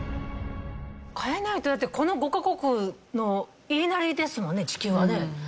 変えないとだってこの５カ国の言いなりですもんね地球はね。